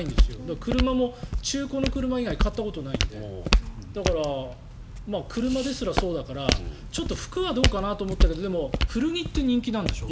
だから車も中古の車以外買ったことがないので車ですらそうだからちょっと服はどうかなと思ったけどでも古着って人気なんでしょ？